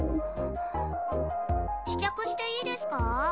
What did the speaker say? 試着していいですか？